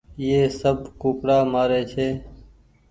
ايئي سب ڪوُڪڙآ مآري ڇي